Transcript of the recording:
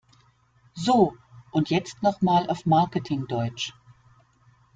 So, und jetzt noch mal auf Marketing-Deutsch!